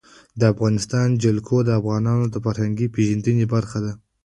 د افغانستان جلکو د افغانانو د فرهنګي پیژندنې برخه ده.